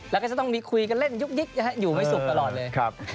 แล้วก็จะต้องมีคุยกันเล่นยุกยิกอยู่ไม่สุขตลอดเลย